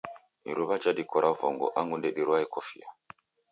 Iruwa jhadikora vongo angu ndedirwae kofia